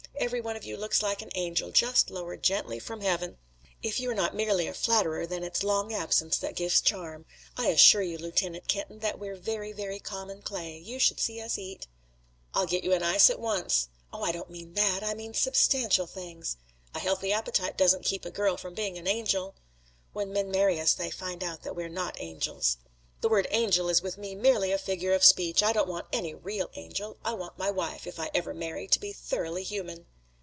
Every one of you looks like an angel, just lowered gently from Heaven." "If you're not merely a flatterer then it's long absence that gives charm. I assure you, Lieutenant Kenton, that we're very, very common clay. You should see us eat." "I'll get you an ice at once." "Oh, I don't mean that. I mean substantial things!" "A healthy appetite doesn't keep a girl from being an angel." "When men marry us they find out that we're not angels." "The word 'angel' is with me merely a figure of speech. I don't want any real angel. I want my wife, if I ever marry, to be thoroughly human."